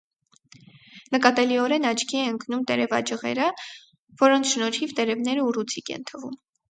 Նկատելիորեն աչքի է ընկնում տերևաջղերը, որոնց շնորհիվ տերևները ուռուցիկ են թվում։